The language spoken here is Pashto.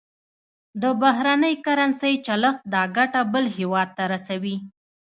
د بهرنۍ کرنسۍ چلښت دا ګټه بل هېواد ته رسوي.